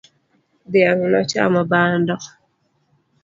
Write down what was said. Dhiang' nochamo bando